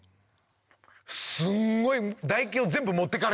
すんごい。